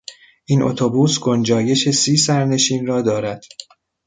این اتوبوس گنجایش سی سرنشین را دارد.